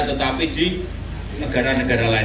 tetapi di negara negara lain